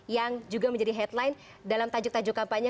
yang juga menjadi headline dalam tajuk tajuk kampanye